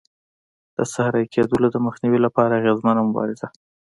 د صحرایې کېدلو د مخنیوي لپاره اغېزمنه مبارزه.